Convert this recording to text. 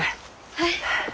はい。